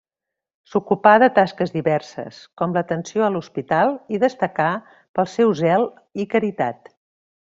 S'ocupà de tasques diverses, com l'atenció a l'hospital i destacà pel seu zel i caritat.